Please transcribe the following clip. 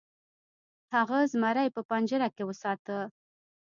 هغه زمری په پنجره کې وساته.